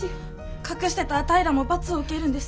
隠してたあたいらも罰を受けるんです。